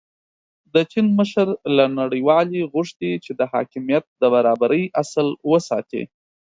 د چین مشر له نړیوالې غوښتي چې د حاکمیت د برابرۍ اصل وساتي.